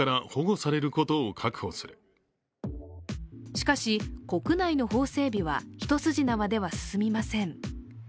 しかし、国内の法整備は一筋縄では進みません。